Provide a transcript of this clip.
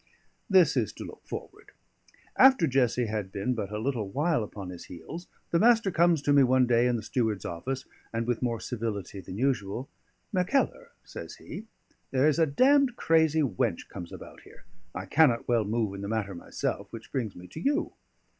This is to look forward. After Jessie had been but a little while upon his heels, the Master comes to me one day in the steward's office, and with more civility than usual, "Mackellar," says he, "there is a damned crazy wench comes about here. I cannot well move in the matter myself, which brings me to you.